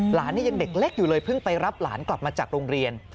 หลานนี่ยังเด็กเล็กอยู่เลยเพิ่งไปรับหลานกลับมาจากโรงเรียน